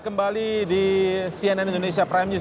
kembali di cnn indonesia prime news